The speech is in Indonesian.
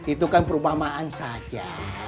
itu kan perubahan saja